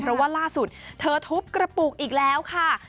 เพราะว่าล่าสุดเธอทุบกระปุกอีกแล้วค่ะ